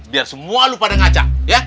biar semua lu pada ngaca